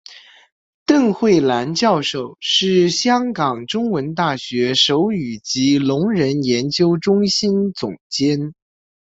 邓慧兰教授是香港中文大学手语及聋人研究中心总监。